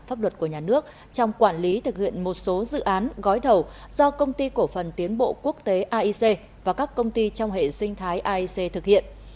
pháp luật của nhà nước trong quản lý thực hiện một số dự án gói thầu do công ty cổ phần tiến bộ quốc tế aic và các công ty trong hệ sinh thái aic thực hiện